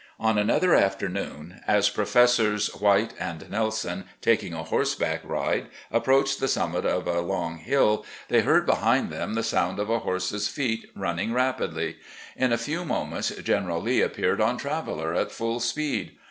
On another afternoon, as Professors White and Nelson, taking a horseback ride, approached the summit of a long hiU, they heard behind them the sotmd of a horse's feet rmining rapidly. In a few moments General Lee appeared on Traveller at full speed.